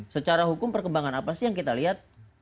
secara hukum perkembangan apa sih yang kita lihat